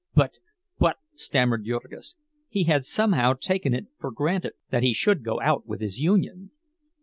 "But—but—" stammered Jurgis. He had somehow taken it for granted that he should go out with his union.